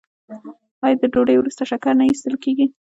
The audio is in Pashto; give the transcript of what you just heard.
آیا د ډوډۍ وروسته شکر نه ایستل کیږي؟